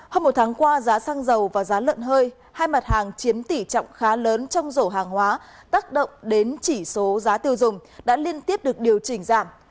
hơn một tháng qua giá xăng dầu và giá lợn hơi hai mặt hàng chiếm tỷ trọng khá lớn trong rổ hàng hóa tác động đến chỉ số giá tiêu dùng đã liên tiếp được điều chỉnh giảm